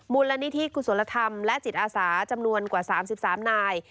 มูลนิธิกุศลธรรมและจิตอาสาจำนวนกว่า๓๓นาย